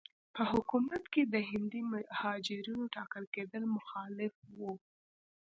په حکومت کې د هندي مهاجرینو ټاکل کېدل مخالف وو.